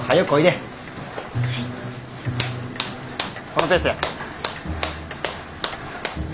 このペースや。